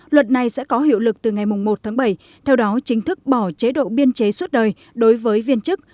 luật này sẽ có hiệu lực từ ngày một tháng bảy theo đó chính thức bỏ chế độ biên chế suốt đời đối với viên chức